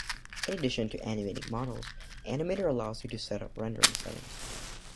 In addition to animating models, Animator allows you to set up rendering settings.